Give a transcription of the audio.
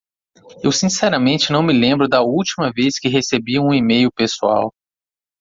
Eu sinceramente não me lembro da última vez que recebi um e-mail pessoal.